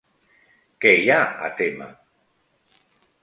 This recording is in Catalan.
Què hi ha a témer?